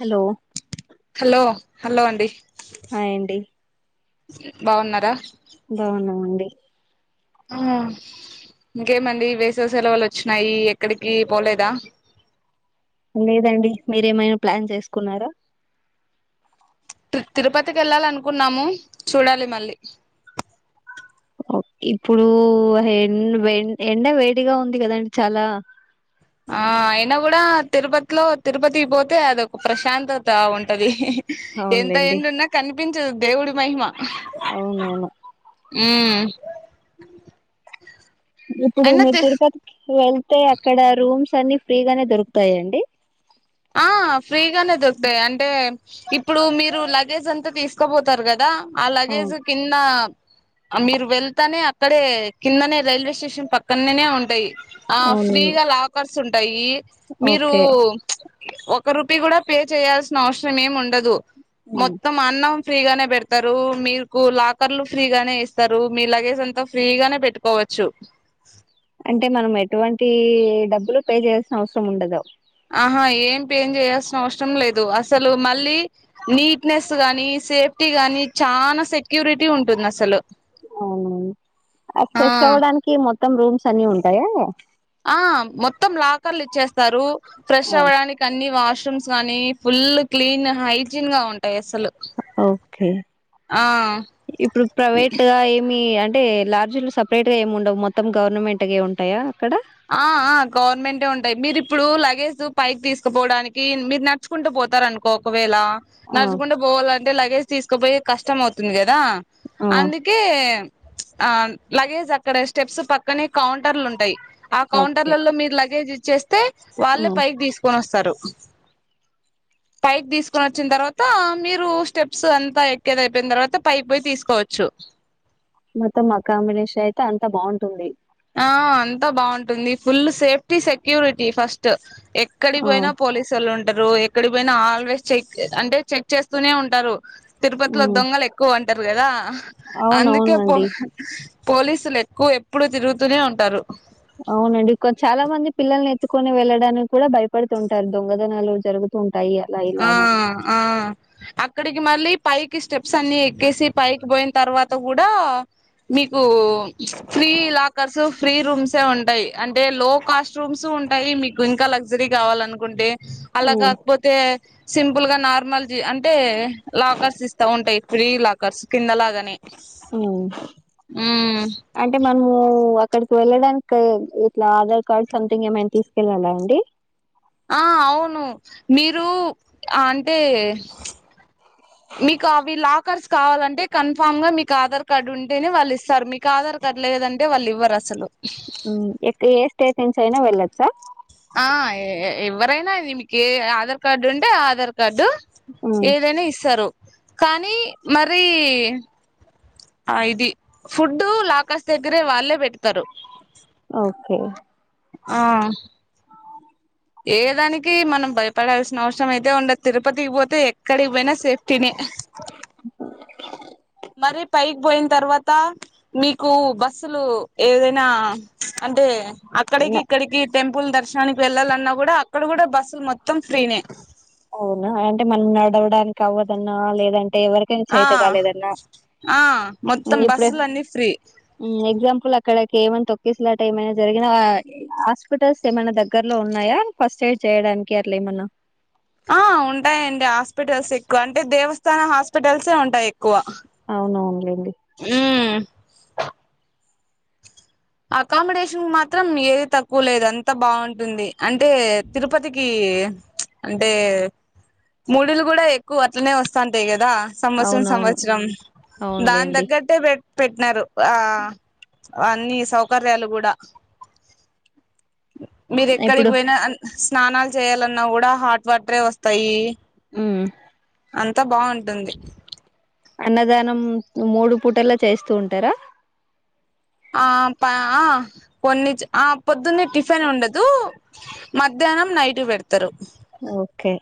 Hello hello hello అండి hi అండి బాగున్నారా బాగున్నామండి ఆ ఇంకేమండి వేసవి సెలవులు వచ్చినాయి ఎక్కడికి పోలేదా లేదండి మీరేమైనా ప్లాన్ చేసుకున్నారా తిరుపతికి వెళ్ళాలి అనుకున్నాము చూడాలి మళ్ళీ ఓ ఇప్పుడు హెన్ వెం ఎండ వేడిగా ఉంది కదండి చాలా ఆ అయినా కూడా తిరుపతిలో తిరుపతికి పోతే అదొక ప్రశాంతత ఉంటది ఎంత అవునులేండి ఏండున్నా కనిపిం చు దేవుడి మహిమ అవును అవును ఉమ్ ఇప్పుడు మీ అయినా తిరుపతికి వెళ్తే అక్కడ రూమ్స్ అన్నీ ఫ్రీగానే దొరుకుతాయ అండి ఆ ఫ్రీగానే దొరుకుతాయి అంటే ఇప్పుడు మీరు లగేజ్ అంతా తీసుకబోతారు కదా ఆ అవును లగేజు కింద మీరు వెళ్తానే అక్కడే కిందనే రైల్వే స్టేషన్ పక్కననే ఉంటాయ్ ఆ అవును ఫ్రీగా లాకర్ సుంటయ్ మీరు ఓకే ఒక రూపీయి కూడా పే చేయాల్సిన అవసరం ఏమి ఉం డదు హ్మ్. మొత్తం అన్నం ఫ్రీగానే పెడతారు మీకు లాకర్లు ఫ్రీగానే ఇస్తారు మీ లగేజ్ అంతా ఫ్రీగానే పెట్టుకోవచ్చు అంటే మనం ఎటువంటి డబ్బులు పే చేయాల్సిన అవసరం ఉండదు ఆహా ఏం ప ఏం చేయాల్సిన అవసరం లేదు అసలు మళ్ళీ నీట్నెస్ గాని సేఫ్టీ గాని చానా సెక్యూరిటీ ఉంటుంది అసలు ఆ ఫ్రెష్ అవ్వడానికి మొత్ త్తం రూమ్స్ అన్ని ఉంటాయా ఆ మొత్తం లాకర్లు ఇచ్చేస్త రూ ఫ్రెష్ అవడానికి అన్ని వాష్ రూమ్స్ గానీ ఫుల్ క్లీన్ హైజీన్ గా ఉంటాయి ఎస్ ఓకే ఇప్పుడు ప్రైవేట్ గా ఏమి అం అంటే లార్జ్లు సపరేట్ గా ఏముండవు మొత్తం గవర్నమెంట్ గే ఉంటాయా అక్కడ ఆ ఆ గవర్నమెంటే ఉంటాయి మీరు ఇప్పుడు లగేజ్ పైకి తీసుకుపోవడానికి మీరు నడుచుకుంటూ పోతారనుకో ఒకవేళ ఆ నడ్చుకుంటూ పోవాలంటే లగేజ్ తీసుకుపోయే కష్టం అవుతుంది కదా ఆ అందుకే ఆ లగేజ్ అక్కడ స్టెప్స్ పక్కనే కౌంటర్లు ఉంటాయి ఆ ఓకే కౌంటర్లలో మీరు లగేజ్ ఇ చ్చేస్తే ఆ వాళ్ళే పైకి తీసుకొని వస్తారు పైకి తీసుకొని వచ్చిన తర్వాత మీరు స్టెప్స్ అంతా ఎక్కేది అయిపోయిన తర్వాత పైకి పోయి తీసుకోవచ్చు మొత్తం అకామీడేషన్ అయితే అంతా బాగుంటుంది ఆ అంతా బాగుంటుంది ఫుల్ సేఫ్టీ సెక్యూరిటీ ఫస్ట్ ఎక్కడి ఆ పోయినా పోలీసు ఒళ్ళు ఉం టారు ఎక్కడి పోయినా ఆల్వేస్ చెక్ అంటే చెక్ చేస్తూనే ఉంటారు తిరుపతిలో ఉమ్ దొంగలు ఎక్కువ అం అంటారు కదా అందుకే పో అవునవునండి పోలీసులు ఎక్కువ ఎప్పుడు తిరుగు తూనే ఉంటారు అవునండి చాలా మంది పిల్లల్ని ఎత్తుకొని వెళ్ళడానికి కూడా భయపడుతుంటారు దొంగతనాలు జరుగుతు ఆ ఆ అక్కడికి మళ్ళీ పైకి స్టెప్స్ అన్ని ఎక్కేసి పైకి పోయిన తర్వాత కూడా మీకు ఫ్రీ లాకర్సు ఫ్రీ రూమ్సే ఉంటాయి అంటే లో కాస్ట్ రూమ్స్ ఉంటాయి మీకు ఇంకా లగ్జరీ కావాలనుకుంటే అలాగ ఉమ్ అపోతే సింపుల్ గా నార్మల్ జ అంటే లాకర్స్ ఇస్తా ఉంటాయి ఫ్రీ లాకర్స్ కిందలాగాని ఉ అంటే మనము అక్కడికి వెళ్ళడానికి ఇట్లా ఆధార్ కార్డ్ సంథింగ్ ఏమైనా తీసుకెళ్ళాలా అండి ఆ అవును మీరు మీ కావి లా కర్స్ కావాలంటే కన్ఫామ్ గా మీకు ఆధార్ కార్డ్ ఉంటేనే వాళ్ళు ఇస్తారు మీకు ఆధార్ కార్డ్ లేదంటే వాళ్ళు ఇవ్వరు అసలు ఇక్కడ ఏ స్టేట్ నుంచి అయినా వెళ్లొచ్చా ఆ ఎవరైనా అది మీకు ఆధార్ కార్డు ఉంటే ఆధార్ గడు ఉమ్ ఏదైనా ఇస్తారు కానీ మరి ఆ ఇది ఫుడ్ లాకాస్ దగ్గరే వాళ్ళే పెట్ ఓకే ఆ ఏ దానికి మనం భయ పడాల్సిన అవసరం అయితే ఉం తిరుపతి పొ ఎక్కడికి పోయినా సేఫ్టీని మరి పైకి పోయిన తర్వాత మీకు బస్సులు ఏదైనా అంటే నా అక్కడికి ఇక్కడికి టెంపుల్ దర్శనానికి వెళ్ళాలన్నా కూడా అక్కడ కూడా బస్సు అవునా అంటే మనం నడవడానికి అవ్వదన్నా లేదం అంటే ఎవరకైనా ఆ చేత కాలేదన్నా ఆ మొత్తం ఇప్పుడ బస్సులు అన్ని ఫ్రీ ఎగ్జామ్ అక్కడికి ఏమైనా తొక్కేసలాట ఏమైనా జరిగినా హాస్పిటల్స్ ఏమైనా దగ్గర లో ఉన్నాయా ఫస్ట్ ఎయిడ్ చేయడానికి కేరలే మన్న ఆ ఉంటాయండి హాస్పిటల్స్ ఎక్కువ అంటే దేవస్థాన హాస్పిటల్సే ఉంటాయి ఎక్కువ అవునవునులేండి వో అకామిడేషన్ మాత్రం ఏది తక్కువ లేదు అంతా బాగుంటుంది అంటే తిరుపతికి అంటే ముడులు కూడా ఎక్కువ అట్లనే వస్తాంటాయి కదా కదా సంవత్సరం అవునవును సంవత్సరం దాని అవునులేండి దగ్గరే పెట్ పెట్టినారు ఆ అ అన్నీ సౌకర్యాలు కూడా మీరు ఎక్కడికి ఇప్పుడు పోయినా స్నానాలు చేయాలన్నా కూడా హాట్ వాటరే వస్తాయి అ అంతా బాగుంటుంది అన్నదానం మూడు పూటల్లో చేస్తూ ఉంటరా ఆ పా కొన్ని చే ఆ పొద్దున్నే టిఫిన్ ఉండదు. మధ్యాహ్నం నైట్ పెడతారు. ఓకే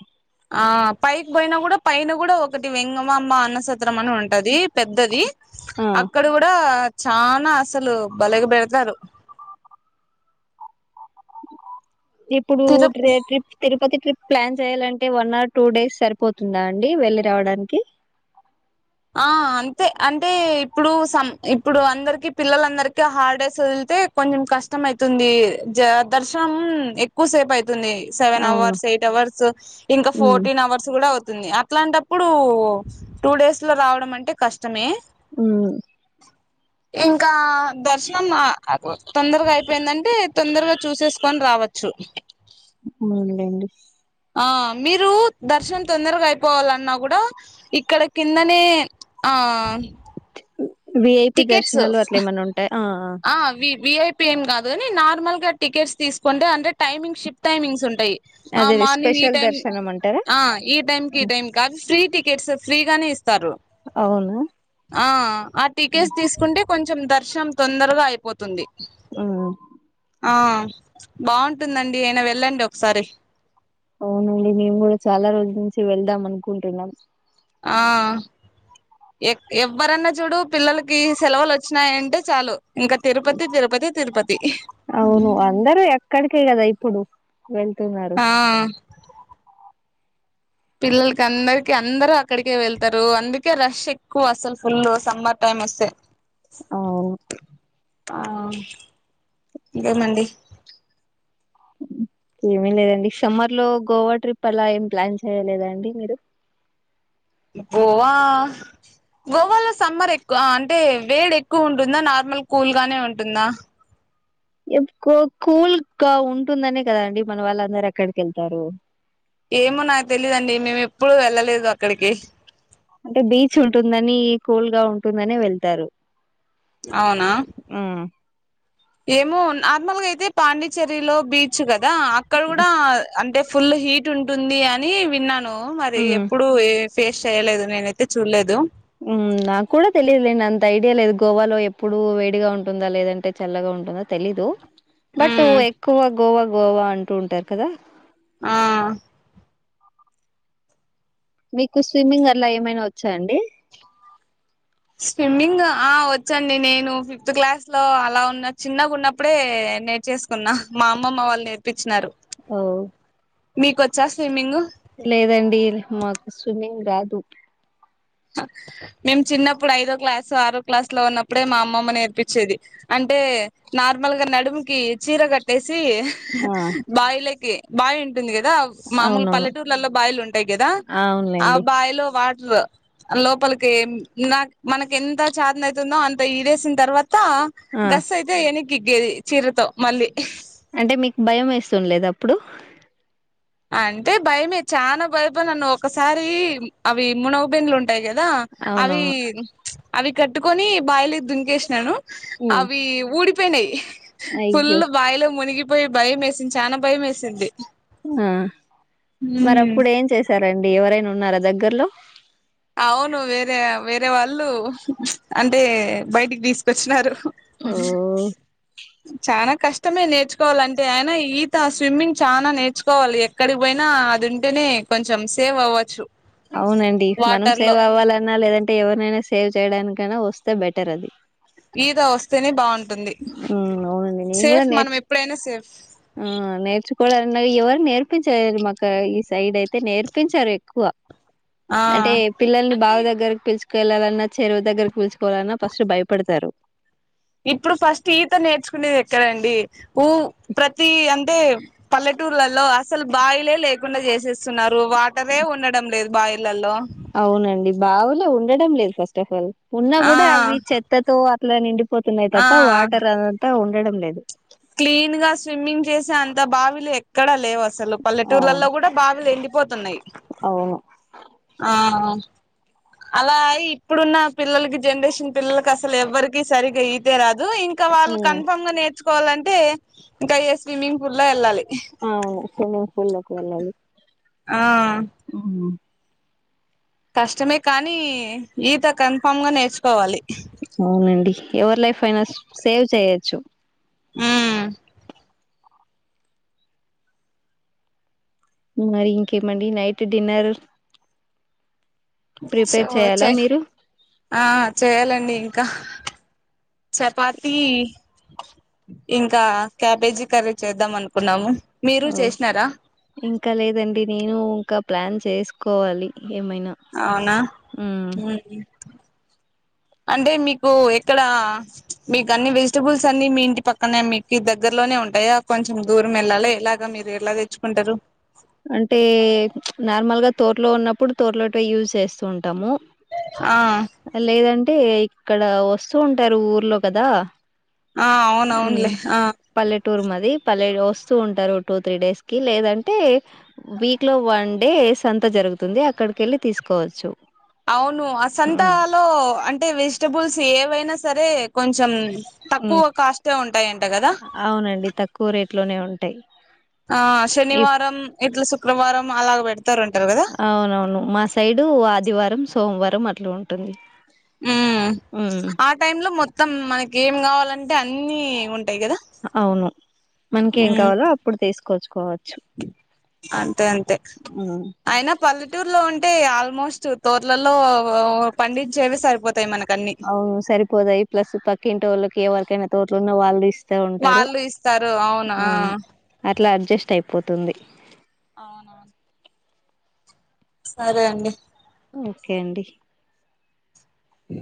ఆ పైకి పోయినా కూడా పైన కూడా ఒకటి వెంగమామ్మ అన్నసత్ సత్రం అని ఉంటది పెద్దది ఆ అక్కడ కూడా చానా అసలు బలేగ పెడతారు ఇప్పుడు తిరు ట్రిప్ తిరుపతి ట్రిప్ ప్లాన్ చేయాలంటే వన్ ఆర్ టూ డేస్ సరిపోతుందా అండి వెళ్ళి రావడానికి ఆ అంతే అంటే ఇప్పుడు సం ఇప్పుడు అందరికి పిల్లలందరికిీ హాలిడేస్ వదిలితే, కొంచెం కష్టం అయితుంది. జ దర్శనం ఎక్కువ సేపు అయితు ఉంది సెవెన్ అవును అవర్స్ ఎయిట్ అవర్స్ ఇంకా ఉమ్, ఫోర్టీన్ అవర్స్ కూడా అవు ఉంది అట్లాంటప్పుడు టూ డేస్ లో రావడం అంటే కష్టమే ఉ ఇంకా దర్శనం అ తొందరగా అయిపోయిందంటే తొందరగా చూసేసుకొని రావచ్చు. అవునులేండి ఆ మీరు దర్శనం తొందరగా అయిపోవాలన్నా కూడా ఇక్కడకి కిందనే ఆం విఐపి దర్శనాలు అట్లే ఏమైన్నా ఉంటాయ ఆ అవీ ఇ విఐపిఎం కాదు గాని నార్మల్ గా టికెట్స్ తీసుకుంటే అంటే టైమింగ్ షిఫ్ట్ టైమింగ్స్ ఉన్ టయి ఆ అదే మార్నింగ్ ఈ స్పెషల్ టైమ్ దర్శనం అంటారా ఆ ఈ టైమ్ కీ ఈ టైం కాదు ఫ్రీ టికెట్స్ ఫ్రీగానే ఇస్ తారు అవును ఆ టికెట్స్ తీసుకుంటే కొంచం ద శ్యామ్ తొందరగా అయిపోతుంది. ఉ ఆ బాగుంటుందండి అయిన వెళ్ళండి ఒకసారి అవునండి మేము కూడా చాలా రోజుల నుంచి వెళ్దాం అనుకుంటున్నాం. ఆ ఎక్ ఎవ్వరన్నా చూడు పిల్లలకి సెలవులు వచ్చినాయంటే చాలు ఇంకా తిరుపతి తిరుపతి తిరుపతి అవును అందరూ ఎక్కడికే కదా ఇప్పుడు వెళ్తున్నారు. ఆ పిల్లలకి అందరికి అందరు అక్కడికే వెళ్తారు. అందుకే రష్ ఎక్కువ అసలు ఫుల్ సమ్మర్ టైమ్ వస్ అవు ఆ ఇంకేం అండి ఏమీ లేదండి సమ్మర్ లో గోవా ట్రిప్ అలా ఏం ప్లాన్ చేయలేదండి మీరు. గోవా గోవాలో సమ్మర్ ఎక్కువ అంటే వేడి ఎక్కువ ఉంటుందా నార్మల్ కూల్గానే ఉంటుందా. ఎప్ కు కూల్గా ఉంటుందనే కద అండి మన వాళ్ళందరు అక్కడికి వెళ్తారు. ఏమో నాకు తెలీదు అండి. మేము ఎప్పుడు వెళ్ళలేదు అక్కడికి. అంటే బీచ్ ఉంటుందని, కూల్ గా ఉంటుందనే వెళ్తారు. అవునా. ఉమ్ అది పాండిచ్చేర్రిలో, బీచ్ గది. దా అక్కడ కూడా, అంటే. ఫుల్ హీట్ ఉంటుంది, అనీ, విన్నాను. నొ మరి ఉమ్ ఎప్పుడు ఎ. ఫేస్ చేయలేదు, నేనైతే చూడలేదు. ఉమ్ నాకు కూడా తెలీదులేండి, అంత ఐడియా లేదు గోవాలో ఎప్పుడూ, వేడిగా ఉంటుందా, లేదంటే చల్లగా ఉంటుందా. తెలీదు. బట్టు ఉమ్ ఎక్కువ గోవ. గోవా అంటూ ఉంటారు కదా. ఆ. మీకు స్విమ్మింగ్, అలా ఏమైనా వొచ్చాండి. స్విమ్మింగ్ ఆ వొచ్చండి, నేను ఫిఫ్త్ క్లాస్ లో అలా ఉన్న చిన్నగా ఉన్నప్పుడే నేర్చేసుకున్నా, మా అమ్మమ్మ వాళ్ళు నేర్పించినారు. ఓ. మీకొచ్చా స్విమ్మింగు. లేదండి, మాకు స్విమ్మింగ్ రాదు. మేము చిన్నప్పుడు ఐదో క్లాసు ఆరో క్లాస్ లో ఉన్నప్పుడే మా అమ్మమ్మ నేర్పించేది, అంటే, నార్మల్గా నడుముకి, చీర కట్టేస్. సి ఆ! బావిలకి. బాయ్ ఆన్. ఉంటుంది గదా, మామూలు అవునవును. పల్లెటూర్లలో బాయిలుంటాయి గదా, ఆ అవునులెండి. బాయిలో వా. త్వ. లోపలికి నాక్ మనకి ఎంత, చాతనయితుందో, అంత ఈడేసిన తర్వా. త ఆ! గస్ అయితే ఎని. ఇజెయ్ చీరతో మళ్ళీ. అంటే మీకు భయం, వేస్తుండ్లేదా అప్పుడు. అంటే భయమే చానా భయపన్నను ఒకసారీ అవి మునగు బెంళ్ళు. ఉంటాయి గదా అవీ. అవునవును. అవి కట్టుకొని బాయిలో దునకేసినాను. హ్మ్. అవి ఊడీ. పోయినై. ఫుల్ అయ్యో! బాయిలో మునిగి. పోయి భయం వేసింది, చానా భయం వేసింది. ఆ. మరి అప్పుడు ఏం చేసారండి, ఎవరైనా ఉ. ఉన్నారా దగ్గర్లో. అవును, వేరే వేరే వాల్. వాళ్ళు అంటే, బయటికి తీసుకొచ్చినారు. ఓహ్! [inaudible] చానా కష్టమే నేర్చుకోవాలి అంటే ఆయన, ఈత స్విమ్మింగ్ చానా నేర్చుకోవాలి, ఎక్కడికి పోయినా అది ఉంటేనే కొంచెం సేవ్ అవ్వచ్చు. అవునండి మనం వాటర్ లో సేవ్ అవ్వాలన్నా లేదా అంటే ఎవర్నైనా సేవ్ చేయడానికైనా వస్తే బెటర్ అది ఈద వస్తేనే బాగున్ ఉంటుంది ఉమ్ అవునండి నేను కూడా సేఫ్ మనం నేర్చు ఎప్పుడైనా సేఫ్ ఆ నేర్చుకోవాలన్న ఎవరు నేర్పించలేదు మాకు ఈ సైడ్ అయితే నేర్పించారు ఎక్కువ ఆ అంటే పిల్లల్ని అంటే బావి దగ్గరకి పిల్చ్ కెళ్ళాలన్న చెరువుదగ్గరికి కుర్చ్ పోవాలన్న ఫస్ట్ భయపడతారు ఇప్పుడు ఫస్ట్ ఈత నేర్చుకునేది ఎక్కడండి? ఊ ప్రతీ అంటే పల్లెటూర్లలో అసలు బావిలే లేవ్ కుండా చేసేస్తున్నారు వాటరే ఉండడం లేదు బావిలో అవునండి బావులే ఉండడం లేదు ఫస్ట్ ఫల్ ఉన్నా ఆ కూడా అవి చెత్తతో ల నిండి పొ ఆ పోతున్నాయితప్ప వాటర్ అంతా ఉంన్ డడం లేదు క్లీన్ గా స్విమ్మింగ్ చేసే అంత బావిలు ఎక్కడా లేవు అసలు ఆ పల్లెటూర్లలో కూడా బావిలు ఎండిపోతున్నాయి. అవును ఆ ఆ అలా అయి ఇప్పుడున్న పిల్లలకి జనరేషన్ పిల్లలకి అసలు ఎవ్వరికిీ సరిగా ఈతే రాదు, ఇంకా వాళ్ళు ఉమ్ కన్ఫామ్ గా నేర్చుకోవాలంట కే ఇంక అయ్యే స్విమింగ్ [inaudible] అవును స్విమ్మింగ్ పూల్ లకు వెళ్ళాలి ఆ ఉమ్ కష్టమే కానీ ఈత క్ కన్ఫామ్ గా నేర్చుకోవాలి ఎవర్ లైఫ్ అయినా సేవ్ చేయచ్చు ఉమ్ ఉమ్ మరి ఇంకేమండి నైట్ డిన్నర్ సో ప్రిపేర్ చేయాలా చె మీరు ఆ చేయాలండి ఇంకా చపాతి ఇంకా క్యాబేజీ కర్రీ చేద్దాం అనుకున్నాము. మీరు ఓ చేసినారా ఇంకా లేదండి నేను ఇంకా ప్లాన్ చేసుకోవాలి ఏమైనా అవునా ఉమ్ అంటే మీకు ఎక్కడ మీకు అన్ని వెజిటెబుల్స్ అన్ని మీ ఇంటి పక్కనే మీకు దగ్గరలోనే ఉంటాయా కొంచెం దూరం వెళ్ళాలి ఎలాగ మీరు ఎలా తెచ్చుకుంటారు అంటే నార్మల్ గా తోట్ ట్లో ఉన్నప్పుడు తోట్లోటివే యూజ్ చేస్తూ ఉంటాము ఆ లేదంటే ఇక్కడ వస్తూ ఉంటారు ఊర్లో కదా ఆ అవునవునులే మ్మ్ ఆ పల్లెటూరు మాది పల్లె వస్తూ ఉంటారు టూ త్రీ డేస్ కి లేదంటే వీక్ లో వన్ డే సంత జరుగుతుంది అక్కడిక వెళ్ళి తీసుకోవచ్చు అవును ఆ మ్మ్ సంతలో అంట అంటే వెజిటెబుల్స్ ఏవైనా సరే కొంచెం మ్మ్ తక్కువ కాస్టే ఉంటాయంట కదా అవునండి తక్కువ రేట్ లోనే ఉంటాయి ఆ ఇఫ్ శనివారం ఇట్లా శుక్రవారం అలాగ పెడతారుంటారు కదా అవునవును మా సైడు ఆదివారం సోమవారం అట్లా ఉంటుంది ఉమ్ ఉమ్ ఆ టైమ్ లో మొత్త మొత్తం మనకి ఏం కావాలంటే అన్ని ఉంటా అవును మనకి ఏం ఉమ్ కావాలో అప్పుడు తీసుకు కొచ్చు కోవచ్చు అంతే అంతే అయిన పల్లెటూరులో ఉంటే ఆల్మోస్ట్ తోటల్లో అవును సరిపోతాయి ప్లస్ పక్కింటోళ్ళకి ఇవ్వ తోటలో ఉన్న వాళ్ళు ఇస్తా ఉంటారు వాళ్ళు ఇస్తారు అవునా పోతుంది అవునవును సరే అండి ఓకే అండి అ